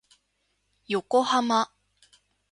横浜